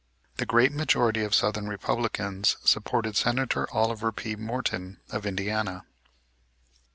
The great majority of southern Republicans supported Senator Oliver P. Morton of Indiana.